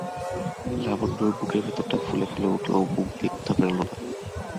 লাবণ্যর বুকের ভিতরটা ফুলে ফুলে উঠল, মুখ দিয়ে কথা বেরোল না।